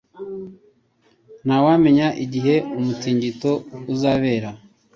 Ntawamenya igihe umutingito uzabera.